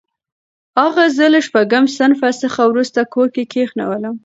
اغا زه له شپږم صنف څخه وروسته کور کې کښېنولم.